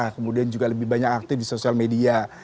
kemudian juga lebih banyak aktif di sosial media